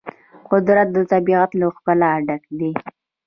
قدرت د طبیعت له ښکلا ډک دی.